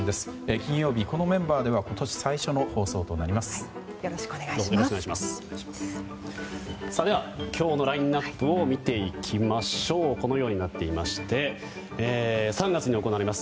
金曜日、このメンバーでは今年最初のよろしくお願いします。